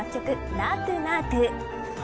ナートゥ・ナートゥ。